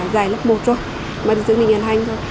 dài lớp một rồi mà từ trước mình nhận hành thôi